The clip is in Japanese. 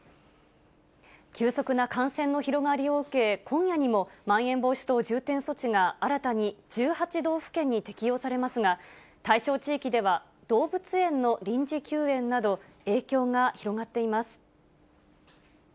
急速な感染の広がりを受け、今夜にも、まん延防止等重点措置が新たに１８道府県に適用されますが、対象地域では、動物園の臨時休園など、影響が広がっています。